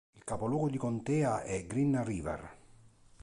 Il capoluogo di contea è Green River.